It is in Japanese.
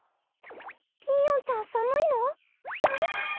ピーヨンちゃんさむいの？